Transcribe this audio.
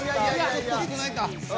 ちょっと少ないか。